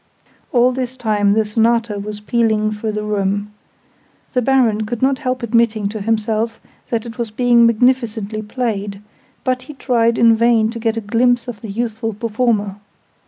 All this time the Sonata was pealing through the room. The Baron could not help admitting to himself that it was being magnificently played: but he tried in vain to get a glimpse of the youthful performer.